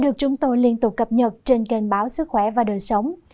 được chúng tôi liên tục cập nhật trên kênh báo sức khỏe và đời sống